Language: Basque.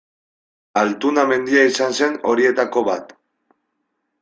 Altuna mendia izan zen horietako bat.